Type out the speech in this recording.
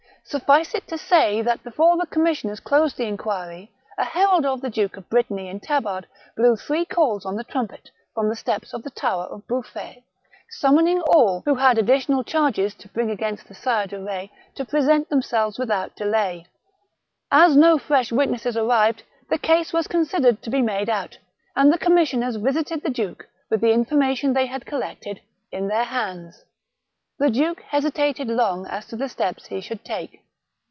SuflSce it to say that before the commissioners closed the inquiry, a herald of the Duke of Brittany in tabard blew three calls on the trumpet, from the steps of the tower of Bouffay, summoning all 204 THE BOOK OF WERE WOLVES. who had additional charges ta bring against the Sire de Betz, to present themselves without delay. As no fresh witnesses arrived, the case was considered to be made out, and the commissioners visited the duke, with the information they had collected, in their hands. The duke hesitated long as to the steps he should take.